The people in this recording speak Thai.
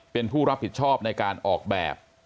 เป็นผู้รับผิดชอบในการออกแบบ